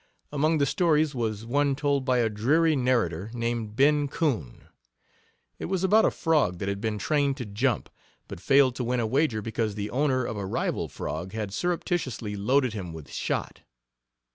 Among the stories was one told by a dreary narrator named Ben Coon. It was about a frog that had been trained to jump, but failed to win a wager because the owner of a rival frog had surreptitiously loaded him with shot.